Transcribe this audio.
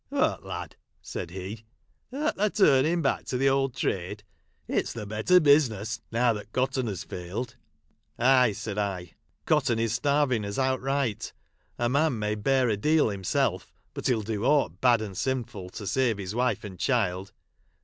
" What, lad !" said he, " art thou turning back to the old trade ? It 's the better busi ness now, that cotton has failed." " Ay," said T, " cotton is starving us out right. A man may bear a deal himself, but he '11 do aught bad and sinful to save his wife and child."